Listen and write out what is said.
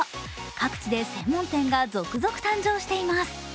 各地で専門店が続々誕生しています。